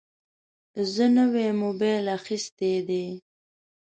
زه نوی موبایل اخیستی دی.